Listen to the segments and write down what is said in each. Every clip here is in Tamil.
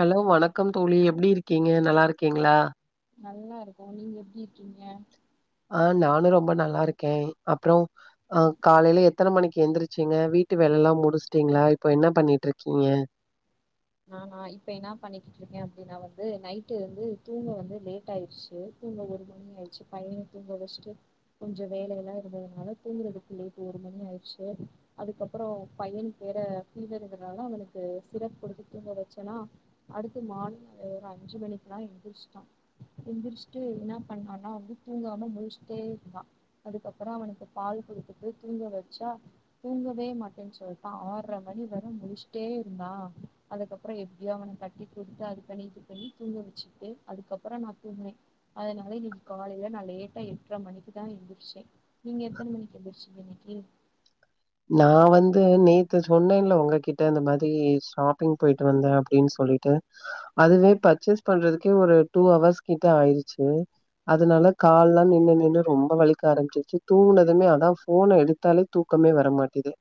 ஹலோ வணக்கம் தோழி எப்டி இருக்கீங்க நல்லா இருக்கீங்களா நல்லா இருக்கோ நீங்க எப்டி இருக்கீங்க ஆ நானு ரொம்ப நல்லா இருக்கே அப்ரோ ஆ காலையில எத்தன மணிக்கு எந்திரிச்சிங்க வீட்டு வேலலா முடிச்சுட்டீங்களா இப்போ என்ன பண்ணிட்டு இருக்கீங்க நானா இப்ப என்ன பண்ணிக்கிட்டு இருக்கே அப்டின்னா வந்து நைட்டு வந்து தூங்க வந்து லேட்டாயிருச்சு தூங்க ஒரு மணி ஆய்ச்சு பையன தூங்க வெச்ட்டு கொஞ்ச வேலையெல்லா இருந்ததுனால தூங்றதுக்கு லேட் ஒரு மணி ஆய்ருச்சு அதுக்கப்றோ பையன்கு வேற பிவேர் இருந்தனால அவனுக்கு சிரப் குடுத்து தூங்க வெச்சன்னா அடுத்து மார்னிங் அஞ்சு மணிக்ல்லா எந்திர்ச்டா எந்திரிச்ட்டு என்ன பண்ணான்னா வந்து தூங்காம முல்ச்சுட்டே இருந்தா அதுக்கப்றோ அவனுக்கு பால் குடுத்துட்டு தூங்க வச்சா தூங்கவே மாட்டேன் சொல்ட்டா ஆற்ற மணி வர முல்ச்ட்டே இருந்தா அதுக்கப்றோ எப்டியோ அவன தட்டி குடுத்து அது பண்ணி இது பண்ணி தூங்க வச்சுட்டு அதுக்கப்றோ நா தூங்னே அதனால இன்னிக் காலையில நா லேட்டா எட்ர மணிக்குதா எந்திர்ச்சே நீங்க எத்தன மணிக்கு எந்திர்ச்சிங்க இன்னைக்கி நா வந்து நேத்து சொன்னன்ல உங்ககிட்ட இந்த மாதிரி ஷாப்பிங் பொய்ட்டு வந்தே அப்டின் சொல்ட்டு அதுவே பர்ச்சஸ் பண்றதுக்கே ஒரு டூ ஹவர்ஸ் கிட்ட ஆய்டுச்சு அதனால கால்லா நின்னு நின்னு ரொம்ப வலிக்க ஆரம்பிச்சிருச்சு தூங்கினதுமே அதா போன எடுத்தாலே தூக்கமே வ ரமாட்டிது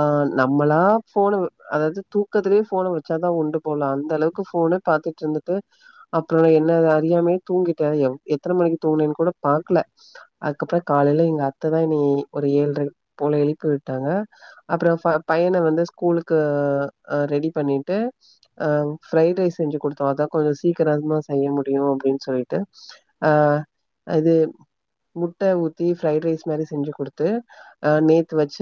ஆ நம்மளா ஃபோன அதாவ்து தூக்கத்திலே போன வச்சாதா உண்டு போல அந்த அளவுக்கு ஃபோனு பாத்துட்ருந்துட்டு அப்ப என்ன அறியாமைமே தூங்கிட்டே எத்தன மணிக்கு தூங்னேன்னு கூட பாக்கல அதுக்கப்றோ காலையில எங்க அத்ததா என்னய ஒரு ஏழர போல எழுப்பிவிட் டாங்க அப்றோ பையன வந்து ஸ்கூலுக்கு ரெடி பண்ணிட்டு அ ஃப்ரைட் ரைஸ் செஞ்சு குடுத்தோ அதா கொஞ்ச சீக்கிரமா செய்ய முடியு அப்டின்னு சொல்லிட்டு ஆ அது முட்ட ஊத்தி ஃப்ரைட் ரைஸ் மாரி செஞ்சு கூடுத்து அ நேத்து வச்ச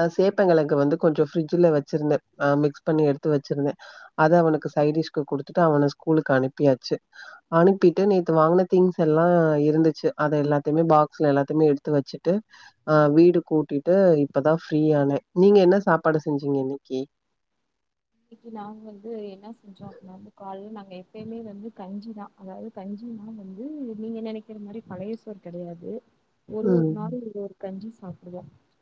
ஆ சேப்பங்கெழங்க வந்து கொஞ்சோ ஃப்ரிட்ஜ்ல வச்சிருந்த ஆ மிக்ஸ் பண்ணி எடுத்து வச்சிருந்தே அத அவனுக்கு சைடிஷ்க்கு குடுத்துட்டு அவன ஸ்கூலுக்கு அனுப்பியாச்சு அனுப்பிட்டு நேத்து வாங்ன திங்ஸ் எல்லா இருந்துச்சு அத எல்லாத்யுமே பாக்ஸ்ல எல்லாத்யுமே எடுத்து வச்சு ட்டு அ வீடு கூட்டிட்டு இப்பதா ஃப்ரீயான நீங்க என்ன சாப்பாடு செஞ்சீங்க இன்னைக்கி இன்னைக்கு நாங்க வந்து என்ன செஞ்சோ அப்டின்னா வந்து கால்ல நாங்க எப்பயுமே வந்து கஞ்சிதா அதாவது கஞ்சினா வந்து நீங்க நெனைக்கிற மாரி பழைய சோர் கெடையாது ஒரு ம். ஒரு நாளு ஒரு ஒரு கஞ்சி சாப்டுவோ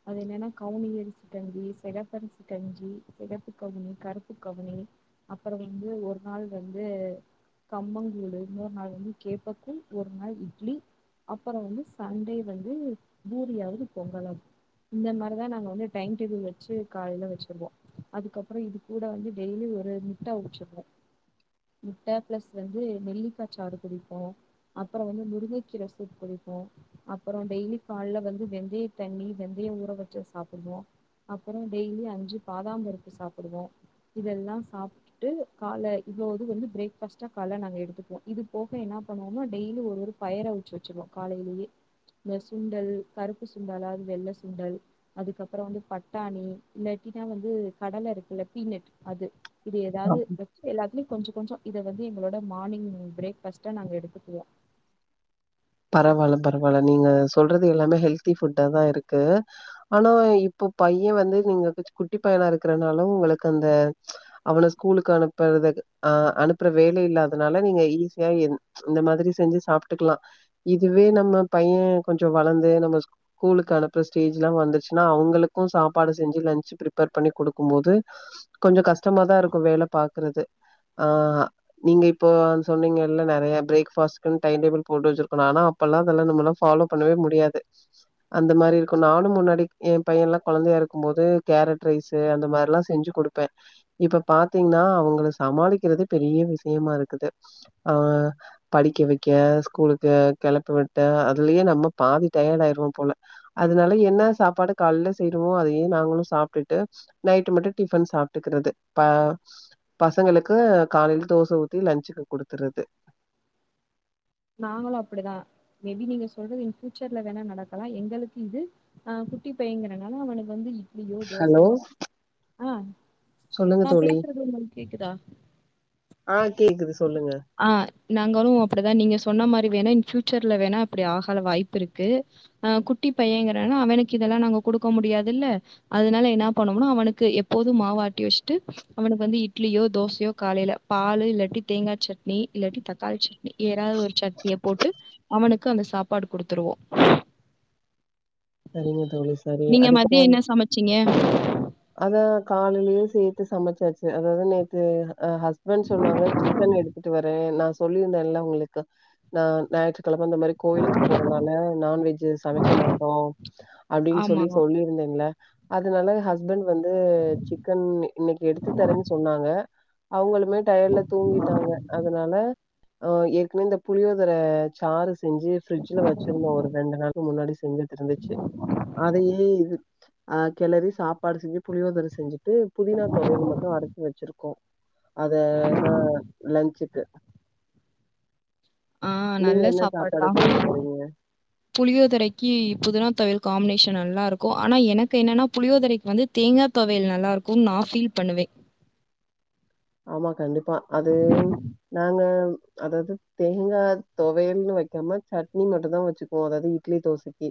அது என்னன்னா கவுனி அரிசு கஞ்சி செகப்பரிசி கஞ்சி செகப்பு கவுனி கருப்பு கவுனி அப்றோ வந்து ஒரு நாள் வந்து கம்பங்கூழ்ழு இன்னொரு நாள் வந்து கேப்பக்கூழ் ஒரு நாள் இட்லி அப்றோ வந்து சண்டே வந்து பூரியாவது பொங்கலாவது இந்த மாரிதா நாங்க வந்து டைம் டேபிள் வச்சு காலையில வச்சருவோ அதுக்கப்றோ இது கூட வந்து டெய்லி ஒரு முட்ட அவுச்சிப்போ முட்டை பிளஸ் வந்து நெல்லிக்காய் சாரு குடிப்போ அப்றோ வந்து முருங்கைக்கீரசூப் குடிப்போ அப்றோ டெய்லி கால்ல வந்து வெந்தய தண்ணி வெந்தய ஊற வச்சு சாப்டுவோ அப்றோ டெய்லி அஞ்சு பாதாம்பருப்பு சாப்டுவோ இதெல்லா சாப் ட்டு கால்ல இவ்ளோது வந்து ப்ரேஃக்பாச்ட கால்ல நாங்க எடுத்துப்போ இது போக என்ன பண்ணுவோனா டெய்லி ஒரு ஒரு பயர அவுச்சு வச்சிருவோ காலையிலேயே இந்த சுண்டல் கருப்பு சுண்டல் ஆர் வெள்ள சுண்டல் அதுக்கப்றோ வந்து பட்டாணி இல்லாட்டினா வந்து கடல இருக்குல்ல பீனட் அது இது அ ஏதாது வச்சி எல்லாத்துலியு கொஞ்சோ கொஞ்சோ இத வந்து எங்களோட மானிங் பிரேக்ஃபாஸ்ட்டா நாங்க எடுத்துக்குவோ பரவால்ல பரவால்ல நீங்க சொல்றது எல்லாமே ஹெல்தி ஃபுட்ட தான் இருக்கு ஆனா இப்போ பைய வந்து நீங்க கொஞ்சோ குட்டி பையனா இருக்கறனால உங்ளுக்கு அந்த அவன ஸ்கூலுக்கு அனுப்புறது அ அனுப்புற வேலை இல்லாதனால நீங்க ஈஸியா எந் இந்த மாதிரி செஞ்சு சாப்ட்டுக்குல்லா இதுவே நம்ம பைய கொஞ்சோ வளந்து நம்ம ஸ்கூலுக்கு அனுப்புற ஸ்டேஜ்ல்லா வந்துருச்சுன்னா அவுங்களுக்கு சாப்பாடு செஞ்சு லன்ச்சு ப்ரிப்பேர் பண்ணி குடுக்கு போது கொஞ்சோ கஷ்டமாதா இருக்கு வேல பாக்குறது ஆ நீங்க இப்போ சொன்னீங்கல்ல நெறைய பிரேக்பாஸ்ட்க்கு டைடேபிள் போட்டு வச்சிரு ஆனா அப்பெல்லா அதெல்லா நம்மளா ஃபாலோ பண்ணவே முடியாது அந்த மாரி இருக்கு நானு முன்னாடி எ பைய எல்லா கொழந்தையா இருக்கு போது கேரட் ரைஸ் ஸு அந்த மாரி எல்லா செஞ்சு குடுப்பே இப்ப பாத்தீங்கன்னா அவுங்கள சமாளிக்கிறது பெரிய விஷியமா இருக்குது அ படிக்க வைக்க ஸ்கூலுக் கு கிளப்பு விட்ட அதுலயே நம்ம பாதி டயர்ட் ஆயிருவோ போல அதனால என்ன சாப்பாடு கால்ல செய்யறமோ அதையே நாங்களு சாப்ட்டுட்டு நைட் மட்டு டிஃபன் சாப்ட்டுக்கிறது பா பசங்களுக்கு காலையில தோச ஊத்தி லஞ்சுக்கு குடுத்துறது நாங்களு அப்டிதா மேபி நீங்க சொல்றது இன் பஃயூச்சர்ல வேணா நடக்கலா எங்களுக்கு இது ஆ குட்டி பையங்கறனால அவனுக்கு வந்து இ இட்லியோ ஹலோ, தோசையோ ஆ சொல்லுங்க நா தோழி. பேசுறது உங்களுக்கு கேக்குதா ஆ கேக்குது சொல்லுங்க ஆ நாங்களு அப்டிதா நீங்க சொன்ன மாரி வேணா இன் பஃபியூச்சர்ல வேணா இப்டி ஆகற வாய்ப்பு இருக்கு அ குட்டி பையங்கிறனா அவனுக்கு இதெல்லா நாங்க குடுக்க முடியாது இல்ல அதனால என்ன பண்ணோம்னா அவனுக்கு எப்போது மாவாட்டி வச்ட்டு அவனுக்கு வந்து இட்லியோ தோசையோ காலையில பாலு இல்லாட்டி தேங்கா சட்னி இல்லாட்டி தக்காளி சட்னி ஏறாவது ஒரு சட்னியை போட்டு அவனுக்கு அந்த சாப்பாடு குடுத்துருவோ சரிங்க தோழி சரி. நீங்க மத்தியோ அதுக்கப்புறம் என்ன சமைச்சீங்க அதா காலலே சேத்து சமைச்சாச்சு அதாவுது நேத்து ஹஸ் ஸ்பன்ட் சொன்னாங்க சிக்கன் எடுத்துட்டு வரே நா சொல்லியிருந்தேல உங்களுக்கு நா ஞாயிற்றுக்கிழம அந்த மாரி கோயிலுக்கு போறதுனால நான்வெஜ் சமைக்க மாட்டோ அப்டின்னு சொல்லி ஆமா. சொல்லியிருந்தேன்ல அதனால ஹஸ் ஹஸ்பண்ட் வந்து சிக்கன் இன்னைக்கி எடுத்து தரேன்னு சொன்னாங்க அவுங்களு மே டயர்ல தூங்கிட்டாங்க அதனால ஏற்கனவே இந்த புளியோதர சாறு செஞ்சு ஃபிரிட்ஜ்ல வச்சிருந்தோ ஒரு ரெண்டு நாளுக்கு முன்னாடி செஞ்சது இருந்துச்சு அதையே இது ஆ கெளறி சாப்பாடு செஞ்சு புளியோதர செஞ்சுட் டு புதினா தொவயல் மட்டு அரச்சு வச்சிருக்கோ அத தா லன்ச்சுக்கு ஆ நீங்க நல்ல என்ன சாப்பாடு தா செய்ய போறீங்க புளியோதரைக்கு புதினா தொவையல் காம்பினேஷன் நல்லா இருக்கு ஆனா எனக்கு என்னன்னா புளியோதரைக்கு வந்து தேங்கா தொவையல் நல்லா இருக்குனு நா ஃபீல் பண்ணுவே ஆமா கண்டிப்பா அது நாங்க அதாவுது தேங்கா துவையல்ன்னு வைக்காம சட்னி மட்டுந்தா வச்சுக்குவோ அதாவது இட்லி தோசக்கி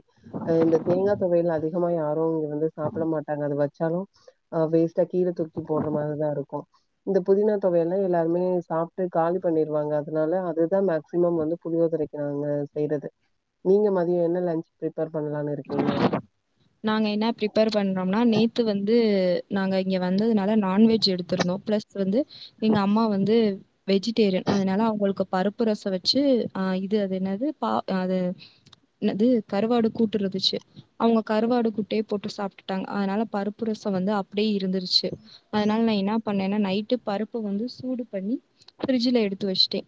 அ இந்த தேங்கா தொவையல் அதிகமா யாரு இங்க வந்து சாப்பிட மாட்டாங்க அது வச்சாலு ஆ வேஸ்ட்டா கீழ தூக்கி போடுற மாரிதா இருக்கு இந்த புதினா தொவையல்னா எல்லாருமே சாப்பிட்டு காலி பண்ணிருவாங்க அதனால அதுதா மேக்சிமம் வந்து புளியோதரைக்கு நாங்க செய்யறது நீங்க மதியோ என்ன லன்ச் ப்ரிப்பேர் பண்ணலானு இருக்கீங்க நாங்க என்ன ப்ரிப்பேர் பண்றோம்ன்னா நேத்து வந்து நாங்க இங்கே வந்ததுனால நான்வெஜ் எடுத்திருந்தோ ப்ளஸ் ஸ் வந்து எங்க அம்மா வந்து வெஜிடேரியன் அதனால அவங்களுக்கு பருப்பு ரசோ வச்சு ஆ இது அது என்னது பா அது என்னது கறுவாடு கூட்டுருந்துச்சு கருவாடு குட்டயே போட்டு சாப்புட்டுட்டாங்க அதனால பருப்புரசோ வந்து அப்டியே இருந்துருச்சு அதனால நான் என்னா பண்ணேன்னா நைட்டு பருப்ப வந்து சூடு பண்ணி பிரிட்ஜல எடுத்து வச்சுட்டே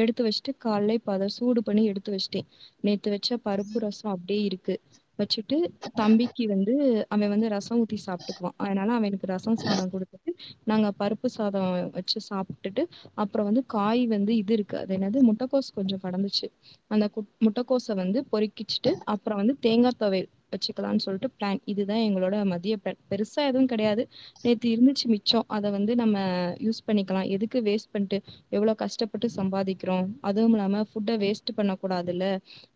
எடுத்து வச்சுட்டு கால்லே இப்ப அத சூடு பண்ணி எடுத்து வெச்சுட்டே நேத்து வச்ச பருப்பு ரசோ அப்டியே இருக்கு வச்சுட்டு தம்பிக்கி வந்து அவே வந்து ரசௌ ஊத்தி சாப்பிட்டுக்குவா அதனால அவனுக்கு ரசோ சாதம் குடுத்துட்டு நாங்க பருப்பு சாதோ வச்சு சாப்ட்டுட்டு அப்பறோ வந்து காய் வந்து இது இருக்கு அது என்னாது முட்டக்கோஸ் கொஞ்சோ கடந்துச்சு அந்த கு முட்டக்கோச வந்து பொறிக்கிச்சுட்டு அப்புறோவந்து தேங்கா தொவயல் வச்சுக்கலான்னு சொல்ட்டு பிளான் இதுதா எங்களோட மதிய பெ பெருசா எதுவு கெடையாது நேத்து இருந்துச்சு மிச்சோ அத வந்து நம்ம யூஸ் பண்ணிக்கலா எதுக்கு வேஸ்ட் பண்ட்டு எவ்ளோ கஷ்டப்பட்டு சம்பாதிக்கிறோ அதுவுல்லாம ஃபுட்ட வேஸ்ட் பண்ண கூடாதுல்ல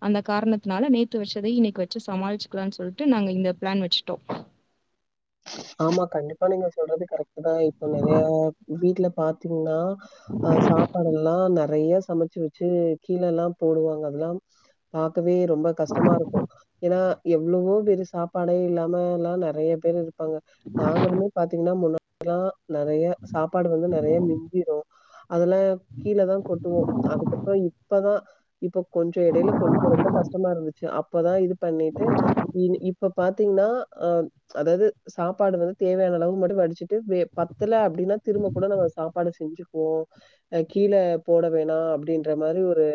அந்த காரணத்துனால நேத்து வச்சத இன்னைக்கி வச்சு சமாளிச்சுக்கலான் சொல்ட்டு நாங்க இந்த பிளான் வச்சுட்டோ ஆமா கண்டிப்பா நீங்க சொல்றது கரெக்ட் தா இப்போ நறையா வீட்ல பாத்தீங்கன்னா அ சாப்பாடுல்லா நறைய சமச்சு வச்சு கீழேல்லா போடுவாங்க அதெல்லா பாக்கவே ரொம்ப கஷ்டமாருக்கு ஏன்னா எவ்வளவோ பேரு சாப்பாடே இல்லாம எல்லா நெறைய பேரு இருப்பாங்க நாங்களுமே பாத்தீங்கன்னா முன்னா எல்லா நறய சாப்பாடு வந்து நறய மிஞ்சிரு அதெல்லா கீழ தா கொட்டுவோ அதுக்கப்புறோ இப்பதா இப்ப கொஞ்சோஎடையில கொஞ்சோ ரொம்ப கஷ்டமாருந்துச்சு அப்பதா இது பண்ணிட்டு இ இப்ப பாத்தீங்கன்னா அ அதாவது சாப்பாடு வந்து தேவையான அளவு மட்டு வடிச்சுட்டு வே பத்தல அப்படின்னா திரும்ப கூட நாம்ம சாப்பாடு செஞ்சுக்குவோ அ கீழ போட வேணா அப்படின்ற மாரி ஒரு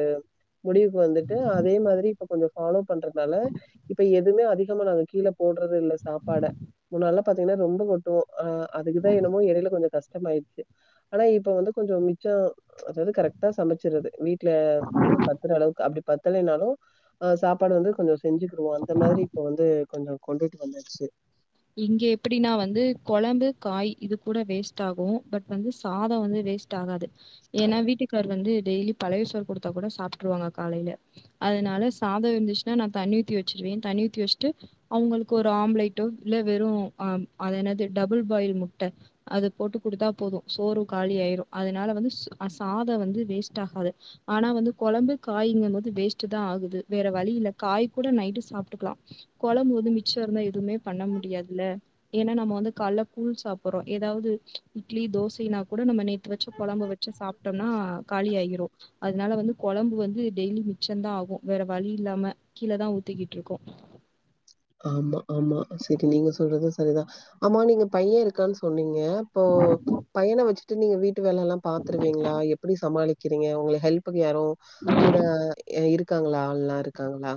முடிவுக்கு வந்துட்டு அதே மாதிரி இப்ப கொஞ்சோ ஃபாலோ பண்றதுனால இப்ப எதுவுமே அதிகமா நாங்க கீழ போடுறது இல்ல சாப்பாட முன்னால்லா பாத்தீங்கன்னா ரொம்ப கொட்டுவோ ஆ அதுக்குதா என்னமோ எடையில கொஞ்சோ கஷ்டமாயிருச்சு ஆனா இப்ப வந்து கொஞ்சோ மிச்சோ அதாவது கரெக்ட்டா சமச்சிர்ரது வீட்ல வந்து பத்துற அளவுக்கு அப்டி பத்தலைனாலு ஆ சாப்பாடு வந்து கொஞ்சோ செஞ்சுக்குருவோ அந்த மாதிரி இப்ப வந்து கொஞ்சோ கொண்டுட்டு வந்தாச்சு இங்க எப்பிடின்னா வந்து கொழம்பு காய் இது கூட வேஸ்ட்டாகு பட் வந்து சாதோ வந்து வேஸ்ட் டாகாது ஏன்னா வீட்டுக்கார் வந்து டெய்லி பழைய சோறு குடுத்தா கூட சாப்ட்டுருவாங்க காலையில அதனால சாதோ இருந்துச்சுன்னா நா தண்ணி ஊத்தி வச்சிருவே தண்ணி ஊத்தி வச்சுட்டு அவங்களுக்கு ஒரு ஆம்லேட்டோ இல்ல வெறு அ அதன்னது டபுள் பாயில் முட்ட அத போட்டு குடுத்த போது சோறு காலியாயிரு அதனால வந்து சாதோ வந்து வேஸ்ட்டாகாது ஆனா வந்து கொழம்பு காய்ங்கிம்பது வேஸ்ட்ட் தா ஆகுது வேற வழி இல்ல காய் கூட நைட்டு சாப்ட்டுக்கலா கொழம்பு வந்து மிச்சோருந்தா எதுவுமே பண்ண முடியாதுல ஏன்னா நம்ம வந்து கால்ல கூழ் சாப்புர்றோ ஏதாவது இட்லி தோசையினா கூட நம்ம நேத்து வச்ச கொழம்பு வச் ச சாப்ட்டோம்னா காலியாயிரு அதனால வந்து கொழம்பு வந்து டெய்லி மிச்சோதா ஆகு வேற வழி இல்லாம கீழ தா ஊத்திக்கிட்டுருக்கோ ஆமா ஆமா சரி நீங்க சொல்றது சரிதா ஆமா நீங்க பையேருக் கான் சொன்னீங்க இப்போ பையன வச்சுட்டு நீங்க வீட்டு வேலெல்லா பாத்துருவீங்களா எப்பிடி சமாளிக் கிறீங்க உங்க ஹெல்ப்க்கு யாரு கூட இருக்காங்களா ஆள்லா இருக்காங்களா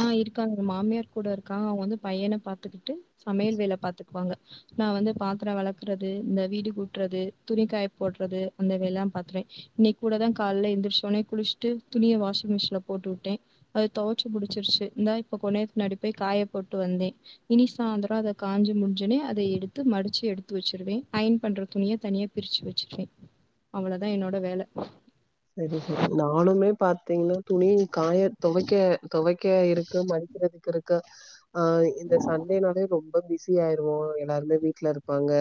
அ இருக்காங்க மாமியார் கூட இருக்காங்க அவங்க வந்து பையன பாத்துக்கிட்டு சமையல் வேல பாத்துக்குவாங்க நா வந்து பாத்திர வெலக்கறது இந்த வீடு கூட்றது துணிக்காய போடுறது அந்த வேல எல்லா பாத்துப்ப இன்னிக்கு கூட தா கால எந்திரிச்ச உடனே குளிச்சிட்டு துணிய வாஷிங் மிஷின்ல போட்டு விட்ட அது துவச்சு முடிச்சிருச்சு இந்தா இப்ப கொஞ்ச நேரத்து முன்னாடி போய் காய போட்டு வந்தே இனி சாயந்தர அத காஞ்சு முடிஞ்சவுனே அத எடுத்து மடிச்சு எடுத்து வச்சிருவ அயன் பண்ற துணிய தனியா பிரிச்சு வச்சிருவ அவ்ளோதா என்னோட வேல சரி சரி ந நானுமே பாத்தீங்கன்னா துணிய காய துவைக்க துவைக்க இருக்கு மடிக்கிறக்கு இருக்கு அ இந்த சண்டேனாலே ரொம்ப பிஸி பிஸி ஆயிருவோ எல்லாருமே வீட்டுல இருப்பாங்க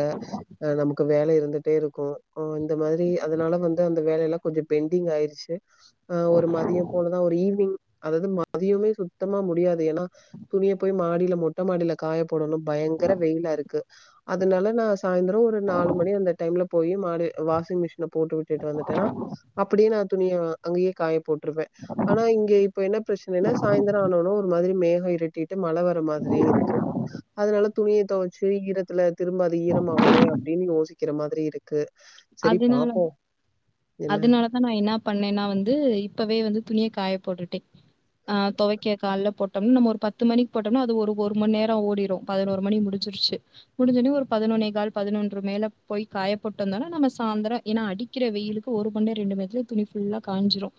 அ நமக்கு வேல இருந்துட்டே இருக்கும் ஓ இந்த மாரி அதனால வந்து அந்த வேலை எல்லா கொஞ்ச பெண்டிங் ஆயிடுச்சி அ ஒரு மதிய போலதா ஒரு ஈவ்னிங் அதாவது மதியமே சுத்தமா முடியாது ஏன்னா துணிய போய் மாடியில மொட்ட மொட்டமாடியில காய போடணு பயங்கர வெயிலா இருக்கு அதனால நா சாயந்தர ஒரு நாலு மணி அந்த டைம்ல போயி மாடி வாஷிங் மிஷின் போட்டு விட்டுட்டு வந்துட்டன்னா அப்டியே நா துணிய அங்கேயே காய போட்டு ட்ருவ ஆனா இங்க இப்ப என்ன பிரச்சனைனா சாயந்தர ஆன வுன்ன ஒரு மாரி மேக இருட்டிட்டு மழை வர மாதிரியே இருக்கு அதனால துணிய தொவச்சு ஈரத்துல திரும்ப அது ஈரமாகுமே அப்டின்னு யோசிக்கிற மாதிரி இருக்கு சரி பாப்போ அதனாலதா நா இன்ன பண்ணேன்னா வந்து இப்பவே வந்து துணிய காய போட்டுட்ட அ தொவைக்க கால்ல போட்டோம்னா நம்ம ஒரு பத்து மணிக்கு போட்டோம்னா அது ஒரு ஒரு மணி நேரம் ஓடிடு பதினோரு மணி முடிஞ்சிருச்சு முடிஞ்சவுனே ஒரு பதினொன்னே கால் பதினொன்ற மேல போய் காயப்போட்டு வந்தன நம்ம சாயந்திர ஏன்னா அடிக்கிற வெயிலுக்கு ஒரு ம ரெண்டு ம நேரதத்துல துணி ஃபுல்லா காஞ்சிடு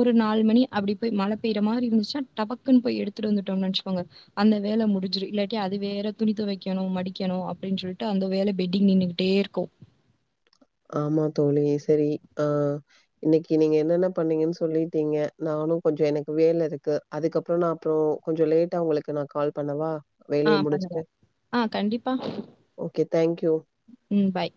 ஒரு நாலுணி அபடி போய் மழை பெய்ற மாதிரி இருந்துச்சின்னா டபக்குன்னு போய் எடுத்துட்டு வந்துட்டோம்னு வைச்சிக்கோங்க அந்த வேல முடிஞ்சிரு இல்லாட்டி அது வேற துணி துவைக்கணு மடிக்கணு அப்டின்னு சொல்லிட்டு அந்த வேல பெண்டிங் நின் னுட்டே இருக்கும் ஆமா தோழி சரி அ இன்னிக்கு நீங்க என்னன்ன பண்ணீங்கன்னு சொல்லிட்டீங்க நானு கொஞ்ச எனக்கு வேல இருக்கு அதுக்கப்பற நா அப்பற கொஞ்ச லேட்டா உங்களுக்கு நா கால் பண்ணவா ஆ வேலய பண்ணுங்க முடிச்சுட்டு ஆ கண்டிப்பா ஓகே தேங்க்யூ ம் பாய்